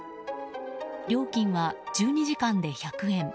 料金は１２時間で１００円。